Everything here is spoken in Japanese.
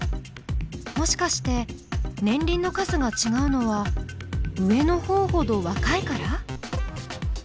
もしかして年輪の数がちがうのは上のほうほど若いから？